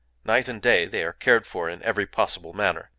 Night and day they are cared for in every possible manner.